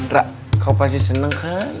ra kau pasti seneng kan